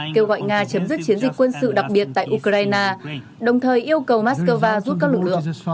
kêu gọi nga chấm dứt chiến dịch quân sự đặc biệt tại ukraine đồng thời yêu cầu moscow rút các lực lượng